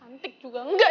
cantik juga enggak